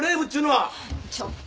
ちょっと。